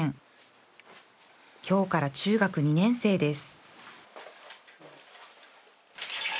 今日から中学２年生です